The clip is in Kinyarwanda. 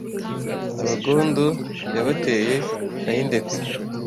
Abagondo yabateye ay’indekwe